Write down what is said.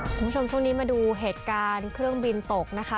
คุณผู้ชมช่วงนี้มาดูเหตุการณ์เครื่องบินตกนะคะ